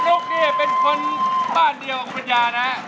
คุณสนุกนี่เป็นคนบ้านเดียวกับคุณปัญญานะครับ